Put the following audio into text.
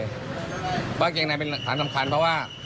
เพราะว่าเกงในเป็นสารสำคัญเพราะว่า